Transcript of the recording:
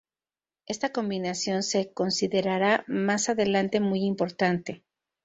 Esta combinación se considerará más adelante muy importante.